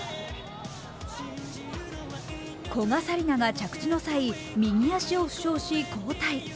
古賀紗理那が着地の際、右足を負傷し交代。